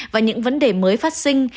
và những vấn đề mới phát sinh